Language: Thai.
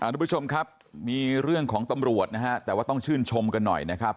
ทุกผู้ชมครับมีเรื่องของตำรวจนะฮะแต่ว่าต้องชื่นชมกันหน่อยนะครับ